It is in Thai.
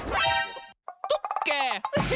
ตุ๊กแก่